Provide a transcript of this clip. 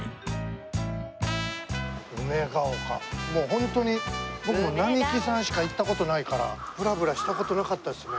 ホントに僕も並木さんしか行った事ないからブラブラした事なかったですね。